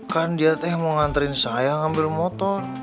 kan dia teh mau nganterin saya ngambil motor